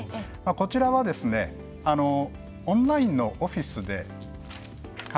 こちらはオンラインのオフィスで。